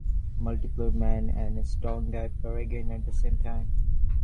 Multiple Man and Strong Guy appear again at the same time.